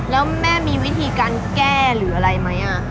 แล้วแม่มีวิธีการแก้หรืออะไรไหม